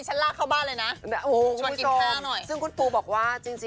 ฉันลาเข้าบ้านเลยนะครับคุณคุณคุณบอกว่าจริงแล้ว